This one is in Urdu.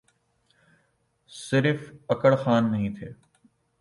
صرف اکڑ خان نہیں تھے۔